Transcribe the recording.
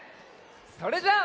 それじゃあ。